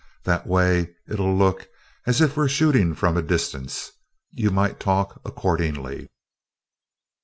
That way, it'll look as if we're shooting from a distance. You might talk accordingly."